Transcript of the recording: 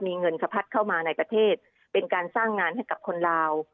มีเงินสะพัดเข้ามาในประเทศเป็นการสร้างงานให้กับคนลาว